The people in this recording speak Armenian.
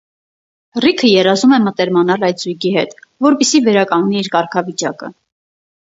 Ռիքը երազում է մտերմանալ այդ զույգի հետ, որպեսզի վերականգնի իր կարգավիճակը։